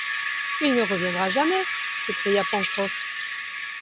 Il ne reviendra jamais... s’écria Pencroff.